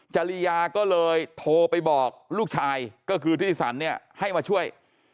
จริยาก็เลยโทรไปบอกลูกชายก็คือธิติสันเนี่ยให้มาช่วย